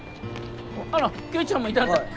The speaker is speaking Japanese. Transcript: あら圭ちゃんもいたんだ。